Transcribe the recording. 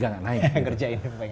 ngerjain supaya gak naik